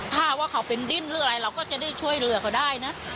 ถ้าว่าเขาเป็นดิ้นหรืออะไรเราก็จะได้ช่วยเหลือเขาได้นะ